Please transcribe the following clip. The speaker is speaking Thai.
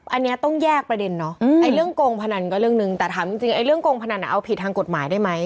อันนี้ต้องแยกประเด็นเนาะไอ้เรื่องโกงพนันก็เรื่องนึงแต่ถามจริงเรื่องโกงพนันเอาผิดทางกฎหมายได้ไหม